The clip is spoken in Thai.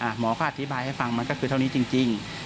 หมอก็อธิบายให้ฟังมันก็คือเท่านี้จริง